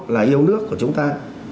là yêu nước của chúng ta